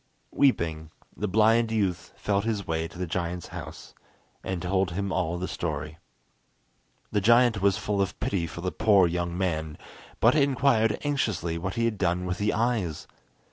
Weeping, the blind youth felt his way to the giant's house, and told him all the story. The giant was full of pity for the poor young man, but inquired anxiously what he had done with the eyes.